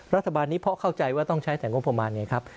รัฐบาลนี้เพราะเข้าใจว่าต้องใช้แต่งบประมาณไงครับ